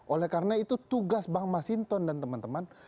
oleh karena itu tugas bang masinton dan teman teman